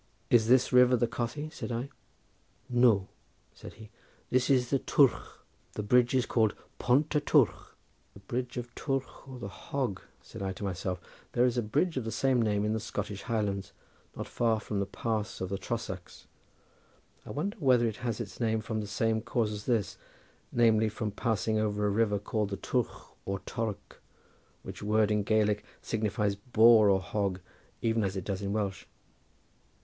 "Is this river the Cothi?" said I. "No," said he, "this is the Twrch; the bridge is called Pont y Twrch." "The bridge of Twrch or the hog," said I to myself; "there is a bridge of the same name in the Scottish Highlands, not far from the pass of the Trossachs. I wonder whether it has its name from the same cause as this, namely, from passing over a river called the Twrch or Torck, which word in Gaelic signifies boar or hog even as it does in Welsh."